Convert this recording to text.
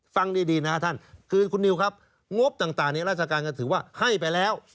ฟังดีนะครับท่านคือคุณนิวครับงบต่างในราชการก็ถือว่าให้ไปแล้ว